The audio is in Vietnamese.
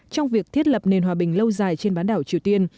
trong việc thiết lập nền hòa bình lâu dài trên bán đảo triều tiên